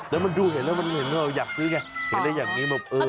แล้วมันดูเห็นแล้วมันเห็นเราอยากซื้อไงเห็นได้อย่างนี้แบบเออ